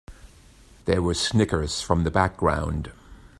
There were snickers from the background.